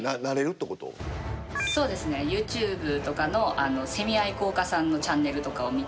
そうですねＹｏｕＴｕｂｅとかのセミ愛好家さんのチャンネルとかを見て。